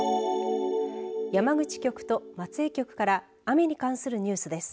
山口局と松江局から雨に関するニュースです。